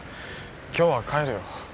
今日は帰るよ